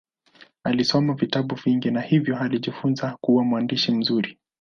Alisoma vitabu vingi na hivyo alijifunza kuwa mwandishi mzuri.